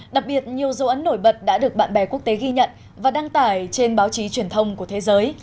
đặc biệt nhiều dấu ấn nổi bật đã được bạn bè quốc tế ghi nhận và đăng tải trên báo chí truyền thông của thế giới